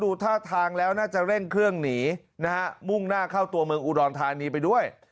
ดูท่าทางแล้วน่าจะเร่งเครื่องหนีนะฮะมุ่งหน้าเข้าตัวเมืองอุดรธานีไปด้วย